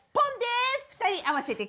２人合わせて。